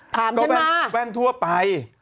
ถามฉันมาก็แบนแว่นทั่วไป